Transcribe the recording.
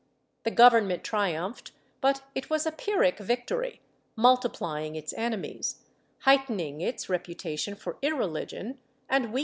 The Government triumphed, but it was a Pyrrhic victory, multiplying its enemies, heightening its reputa tion for irreligion, and weakening its influence.